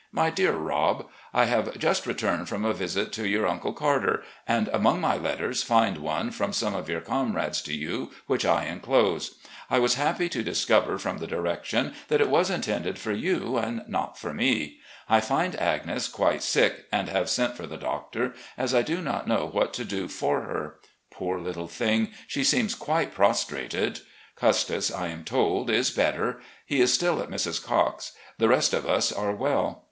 "My Dear Roh: I have just returned from a visit to your Uncle Carter, and, among my letters, find one from 176 RECOLLECTIONS OF GENERAL LEE some of your comrades to you, which I inclose. I was happy to discover from the direction that it was intended for you and not for me. I find Agnes quite sick, and have sent for the doctor, as I do not know what to do for her. Poor little thing ! she seems quite prostrated. Custis, I am told, is better. He is still at Mrs. Cocke's. The rest of us are well.